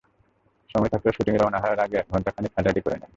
সময় থাকলে শুটিংয়ে রওনা হওয়ার আগে ঘণ্টা খানেক হাঁটাহাঁটি করে করে নেন।